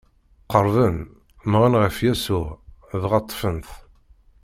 Qerrben, mmɣen ɣef Yasuɛ dɣa ṭṭfen-t.